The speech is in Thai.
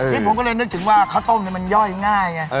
นี่ผมก็เลยนึกถึงว่าข้าวต้มมันย่อยง่ายไง